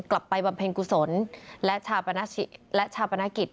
กลับไปบำเพ็ญกุศลและชาปนกิจ